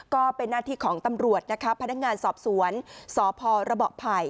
ก็เป็นหน้าที่ของตำรวจนะคะพนักงานสอบสวนสพระเบาะไผ่